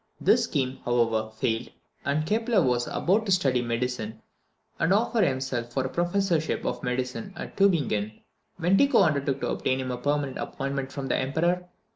This scheme, however, failed, and Kepler was about to study medicine, and offer himself for a professorship of medicine at Tubingen, when Tycho undertook to obtain him a permanent appointment from the Emperor.